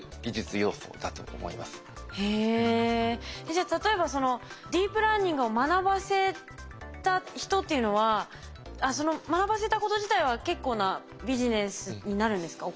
じゃあ例えばそのディープラーニングを学ばせた人っていうのはその学ばせたこと自体は結構なビジネスになるんですか？